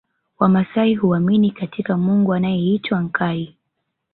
Wamasai huamini katika Mungu anayeitwa Nkai